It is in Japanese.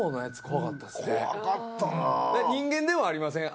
怖かったな人間でもありません？